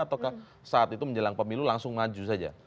atau saat itu menjelang pemilu langsung maju saja